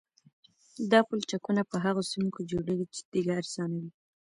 دا پلچکونه په هغه سیمو کې جوړیږي چې تیږه ارزانه وي